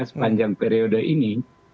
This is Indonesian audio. sepanjang periode ini